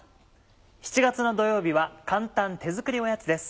７月の土曜日は簡単手作りおやつです。